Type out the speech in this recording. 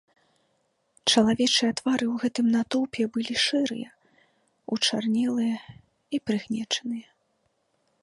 Чалавечыя твары ў гэтым натоўпе былі шэрыя, учарнелыя і прыгнечаныя.